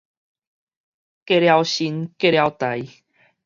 過了身，過了代